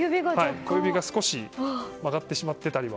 小指が少し曲がってしまっていたりは。